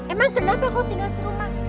emang kenapa kau tinggal serumah